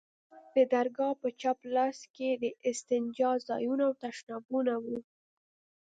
د درگاه په چپ لاس کښې د استنجا ځايونه او تشنابونه وو.